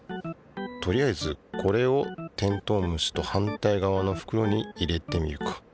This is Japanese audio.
とりあえずこれをテントウムシと反対側のふくろに入れてみるか。